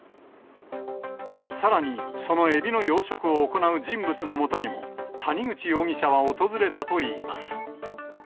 さらに、そのエビの養殖を行う人物のもとにも、谷口容疑者は訪れたといいます。